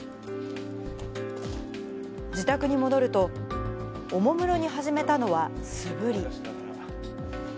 自宅に戻ると、おもむろに始めたのは素振り。